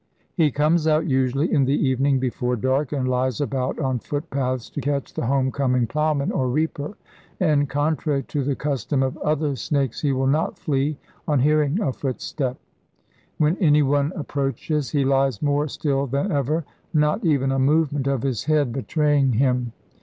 He comes out usually in the evening before dark, and lies about on footpaths to catch the home coming ploughman or reaper, and, contrary to the custom of other snakes, he will not flee on hearing a footstep. When anyone approaches he lies more still than ever, not even a movement of his head betraying him.